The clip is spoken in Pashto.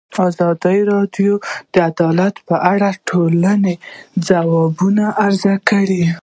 ازادي راډیو د عدالت په اړه د ټولنې د ځواب ارزونه کړې.